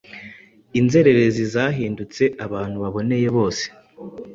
inzererezi zahindutse abantu baboneye bose.